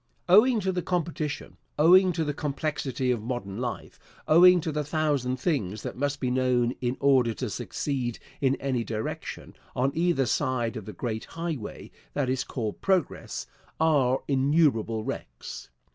Owing to the competition, owing to the complexity of modern life, owing to the thousand things that must be known in order to succeed in any direction, on either side of the great highway that is called Progress, are innumerable wrecks.